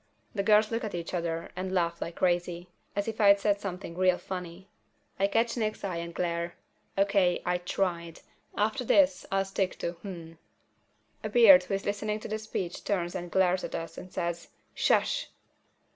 The girls look at each other and laugh like crazy, as if I'd said something real funny. I catch Nick's eye and glare. O.K., I tried. After this I'll stick to "Hmm." A beard who is listening to the speech turns and glares at us and says, "Shush!"